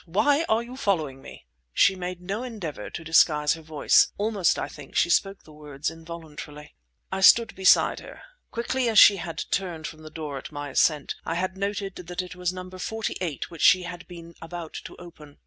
Why are you following me?" She made no endeavour to disguise her voice. Almost, I think, she spoke the words involuntarily. I stood beside her. Quickly as she had turned from the door at my ascent, I had noted that it was that numbered forty eight which she had been about to open.